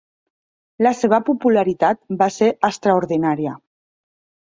La seva popularitat va ser extraordinària.